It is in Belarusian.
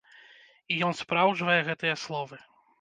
І ён спраўджвае гэтыя словы.